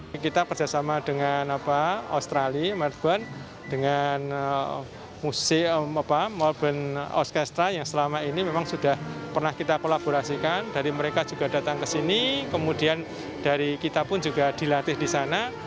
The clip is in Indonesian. kami berusaha untuk membangun kesempatan yang terbaik di keraton yogyakarta